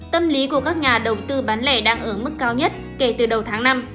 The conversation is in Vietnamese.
tâm lý của các nhà đầu tư bán lẻ đang ở mức cao nhất kể từ đầu tháng năm